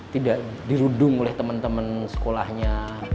tidak dirudung oleh temen temen sekolahnya